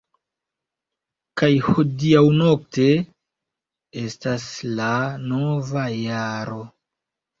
Kaj hodiaŭ-nokte estas la nova jaro!